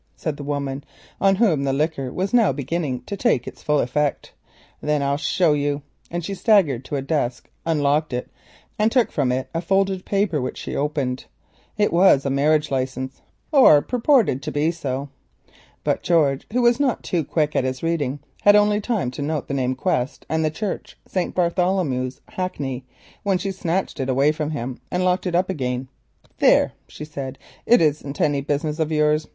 said the woman, on whom the liquor was now beginning to take its full effect; "then I'll show you," and she staggered to a desk, unlocked it and took from it a folded paper, which she opened. It was a properly certified copy of a marriage certificate, or purported so to be; but George, who was not too quick at his reading, had only time to note the name Quest, and the church, St. Bartholomew's, Hackney, when she snatched it away from him and locked it up again. "There," she said, "it isn't any business of yours.